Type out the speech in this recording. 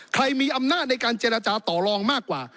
ใครมีอำนาจในการเจรจาต่อลองมากกว่า